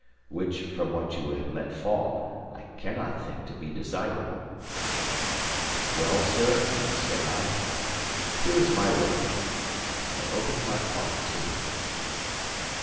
Which (from what you have let fall) I cannot think to be desirable." "Well, sir," said I, "here is my way of it." And I opened my plot to him.